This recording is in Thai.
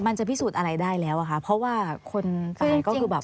มันจะพิสูจน์อะไรได้แล้วอะค่ะเพราะว่าคนตายก็คือแบบ